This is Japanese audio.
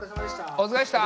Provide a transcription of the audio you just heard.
おつかれっした。